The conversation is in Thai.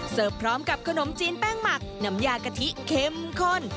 พร้อมกับขนมจีนแป้งหมักน้ำยากะทิเข้มข้น